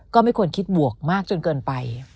ก็ไม่ควรคิดบวกมากจนเกินไป